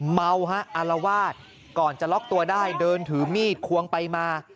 เมาฮะอารวาสก่อนจะล็อกตัวได้เดินถือมีดควงไปมา